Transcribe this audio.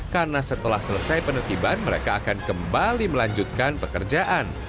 karena setelah selesai penertiban mereka akan kembali melanjutkan pekerjaan